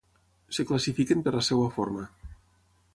Es classifiquen per la seva forma.